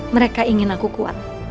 mereka ingin aku kuat